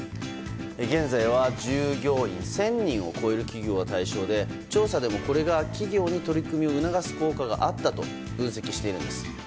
現在は従業員１０００人を超える企業が対象で調査でも、これが企業に取り組みを促す効果があったと分析しているんです。